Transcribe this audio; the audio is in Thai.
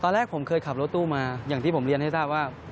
แรกผมเคยขับรถตู้มาอย่างที่ผมเรียนให้ทราบว่า